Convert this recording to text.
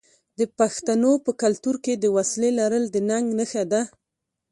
د پښتنو په کلتور کې د وسلې لرل د ننګ نښه ده.